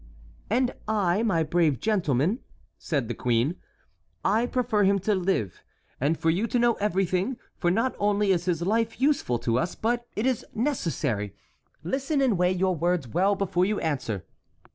"And I, my brave gentleman," said the queen, "I prefer him to live, and for you to know everything, for not only is his life useful to us, but it is necessary. Listen and weigh your words well before you answer.